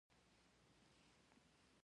د کاناډا بانکي سیستم ډیر قوي دی.